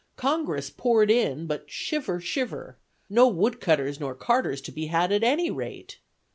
Congress poured in, but shiver, shiver. No woodcutters nor carters to be had at any rate.